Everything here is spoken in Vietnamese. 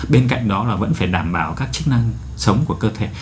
bên cạnh đó là vẫn phải đảm bảo các chức năng sống của cơ thể